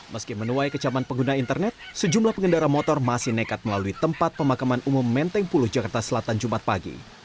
meski menuai kecaman pengguna internet sejumlah pengendara motor masih nekat melalui tempat pemakaman umum menteng puluh jakarta selatan jumat pagi